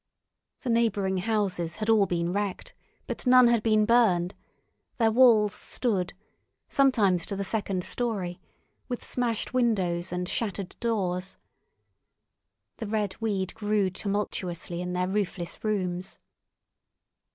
The neighbouring houses had all been wrecked, but none had been burned; their walls stood, sometimes to the second story, with smashed windows and shattered doors. The red weed grew tumultuously in their roofless rooms.